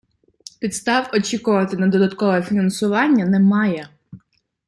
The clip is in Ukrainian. Підстав очікувати на додаткове фінансування немає.